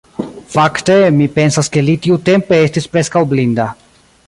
Fakte, mi pensas ke li tiutempe estis preskaŭ blinda.